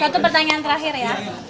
satu pertanyaan terakhir ya